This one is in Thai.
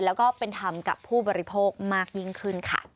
แล้วก็เป็นธรรมกับผู้บริโภคมากยิ่งขึ้นค่ะ